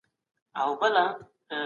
د منځنيو پېړيو پاچاهان ډېر ظالمان وو.